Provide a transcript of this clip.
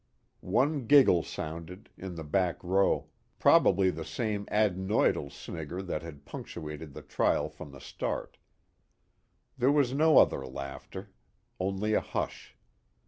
One giggle sounded, in the back row, probably the same adenoidal snigger that had punctuated the trial from the start. There was no other laughter. Only a hush.